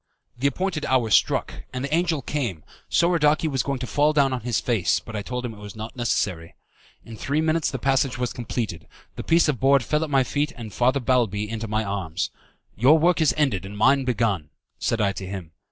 The appointed hour struck and the angel came, Soradaci was going to fall down on his face, but I told him it was not necessary. In three minutes the passage was completed, the piece of board fell at my feet, and Father Balbi into my arms. "Your work is ended and mine begun," said I to him.